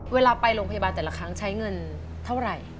เวลาไปโรงพยาบาลแต่ละครั้งใช้เงินเท่าไหร่